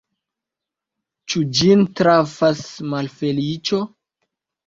Ĉu ĝin trafas malfeliĉo?